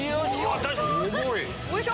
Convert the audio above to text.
よいしょ！